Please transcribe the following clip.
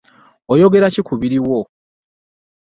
Oyogera ki ku biriwo?